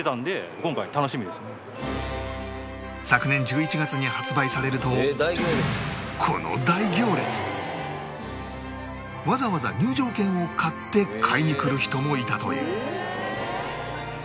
昨年１１月に発売されるとこの大行列わざわざ入場券を買って買いに来る人もいたという